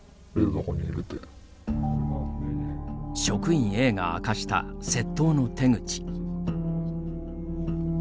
職員Ａが明かした窃盗の手口。